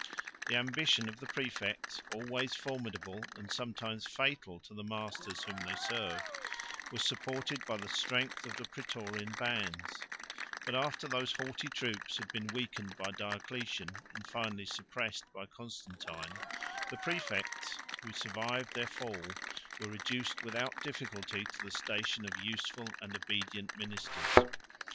The ambition of the præfects, always formidable, and sometimes fatal to the masters whom they served, was supported by the strength of the Prætorian bands; but after those haughty troops had been weakened by Diocletian, and finally suppressed by Constantine, the præfects, who survived their fall, were reduced without difficulty to the station of useful and obedient ministers.